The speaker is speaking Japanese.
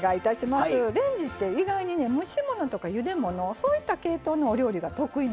レンジって意外に蒸し物とかゆで物そういった系統のお料理が得意なんですよね。